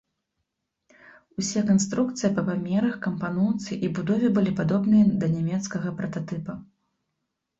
Усе канструкцыі па памерах, кампаноўцы і будове былі падобныя да нямецкага прататыпа.